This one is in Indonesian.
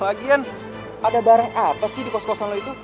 lagian ada barang apa sih di kos kosong itu